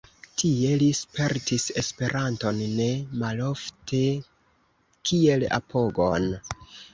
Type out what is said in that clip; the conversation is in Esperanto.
Tie li spertis Esperanton ne malofte kiel apogon.